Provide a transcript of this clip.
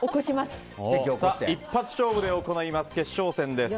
一発勝負で行います決勝戦です。